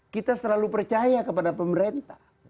kita selalu percaya kepada pemerintah